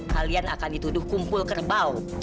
kalian akan dituduh kumpul kerbau